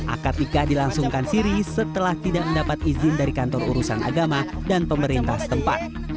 akad nikah dilangsungkan siri setelah tidak mendapat izin dari kantor urusan agama dan pemerintah setempat